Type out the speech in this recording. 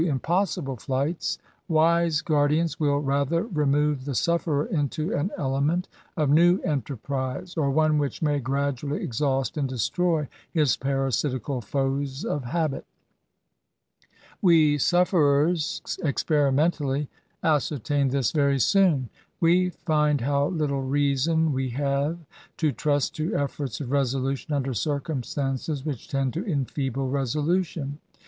impossible flights, wise guardians will rather remove the sufferer into an element of new enterprise, or one which may gradually exhaust and destroy his parasitical foes of habit. We sufferers experimentally ascertain this very soon. We find how little reason we have to trust to efforts of resolution under circum stances which tend to enfeeble resolution.